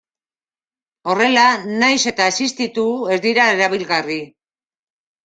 Horrela, nahiz eta existitu, ez dira erabilgarri.